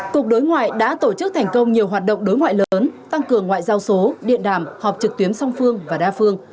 cục đối ngoại đã tổ chức thành công nhiều hoạt động đối ngoại lớn tăng cường ngoại giao số điện đàm họp trực tuyến song phương và đa phương